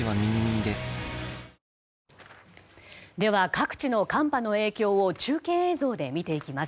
では、各地の寒波の影響を中継映像で見ていきます。